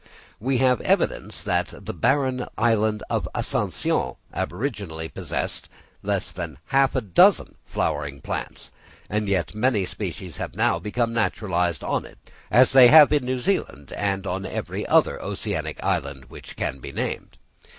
We have evidence that the barren island of Ascension aboriginally possessed less than half a dozen flowering plants; yet many species have now become naturalised on it, as they have in New Zealand and on every other oceanic island which can be named.